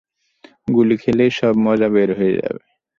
গুলি খেলেই সব মজা বের হয়ে যাবে।